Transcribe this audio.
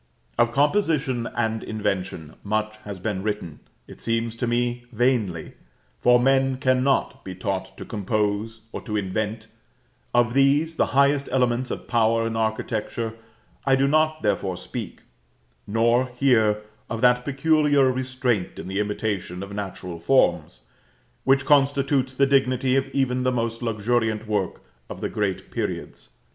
Of composition and invention much has been written, it seems to me vainly, for men cannot be taught to compose or to invent; of these, the highest elements of Power in architecture, I do not, therefore, speak; nor, here, of that peculiar restraint in the imitation of natural forms, which constitutes the dignity of even the most luxuriant work of the great periods.